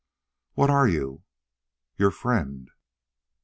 "What are you?" "Your friend."